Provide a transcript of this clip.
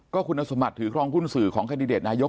คุณสมบัติถือครองหุ้นสื่อของแคนดิเดตนายก